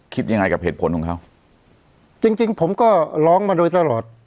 คิดยังไงกับเหตุผลของเขาจริงจริงผมก็ร้องมาโดยตลอด